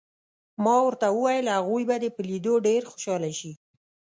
ما ورته وویل: هغوی به دې په لیدو ډېر خوشحاله شي.